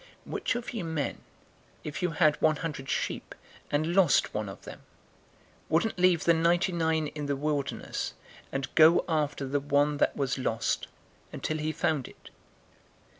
015:004 "Which of you men, if you had one hundred sheep, and lost one of them, wouldn't leave the ninety nine in the wilderness, and go after the one that was lost, until he found it?